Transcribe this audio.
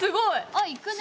あっいくね。